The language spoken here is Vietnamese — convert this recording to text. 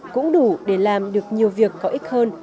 cũng đủ để làm được nhiều việc có ích hơn